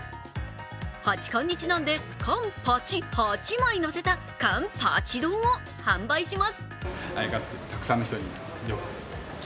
八冠にちなんで、カンパチ８枚をのせたカンパチ丼を販売します。